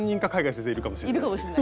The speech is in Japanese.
いるかもしれない。